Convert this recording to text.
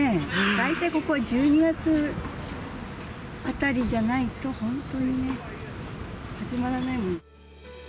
大体ここ１２月あたりじゃないと、本当にね、始まらないもん。